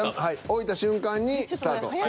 置いた瞬間にスタート。